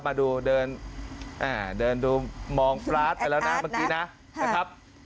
มาดูเดินดูมองปลาสไปแล้วนะเมื่อกี้นะครับ